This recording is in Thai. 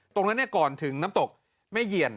ตรงนั้นก่อนถึงน้ำตกแม่เหยียน